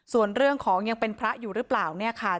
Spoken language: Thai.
ส่วนเรื่องของยังเป็นพระอยู่หรือเปล่าเนี่ยค่ะ